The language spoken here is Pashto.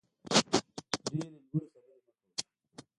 ډېرې لوړې خبرې مه کوئ.